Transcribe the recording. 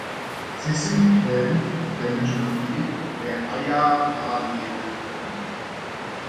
Sie sind die Quellen der Mythologie der Ayyavali-Religion.